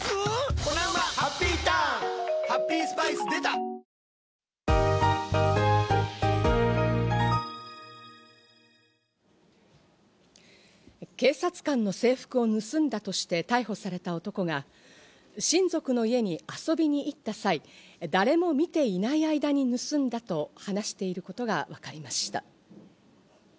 三ツ矢サイダー』警察官の制服を盗んだとして、逮捕された男が、親族の家に遊びに行った際、誰も見ていない間に盗んだと話していることがわかりました。